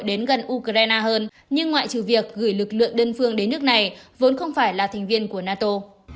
nó sẽ di chuyển quân đội đến gần ukraine hơn nhưng ngoại trừ việc gửi lực lượng đơn phương đến nước này vốn không phải là thành viên của nato